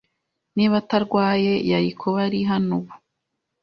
Niba atarwaye, yari kuba ari hano ubu.